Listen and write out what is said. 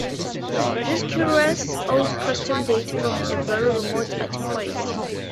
This curious old custom dates from a very remote antiquity.